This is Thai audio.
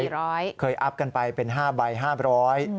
ร้อยเคยอัพกันไปเป็น๕ใบ๕๐๐บาท